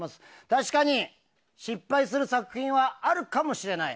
確かに、失敗する作品はあるかもしれない。